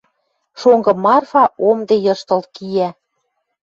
Шонгы Марфа омде йыштыл киӓ